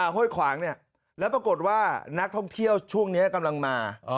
ห้วยขวางเนี่ยแล้วปรากฏว่านักท่องเที่ยวช่วงนี้กำลังมา